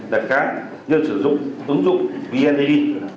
đặt cá nhân sử dụng ứng dụng vnad